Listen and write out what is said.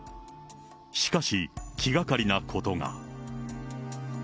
しかし、気がかりなことが。